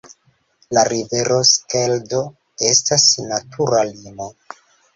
La rivero Skeldo estas natura limo.